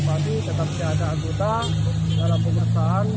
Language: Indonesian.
tetap kita atur atur tetap siap ada anggota dalam pemerintahan